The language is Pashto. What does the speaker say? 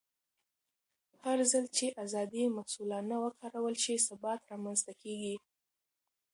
هرځل چې ازادي مسؤلانه وکارول شي، ثبات رامنځته کېږي.